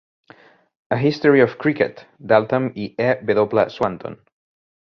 "A History of Cricket" d'Altham i E. W. Swanton.